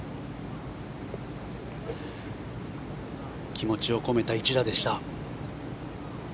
気持ちを込めた１打でした。